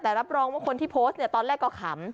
แต่รับรองว่าคนที่โพสต์เนี่ยตอนแรกก็ขำ